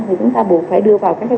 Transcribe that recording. thì chúng ta buộc phải đưa vào các cơ sở